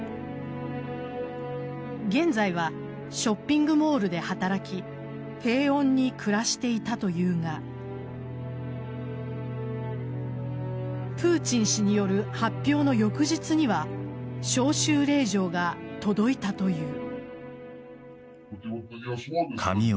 現在はショッピングモールで働き平穏に暮らしていたというがプーチン氏による発表の翌日には招集令状が届いたという。